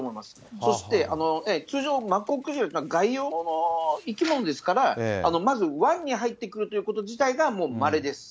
そして通常、マッコウクジラというのは外洋の生き物ですから、まず湾に入ってくるということ自体がもうまれです。